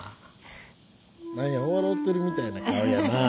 何や笑てるみたいな顔やなあ。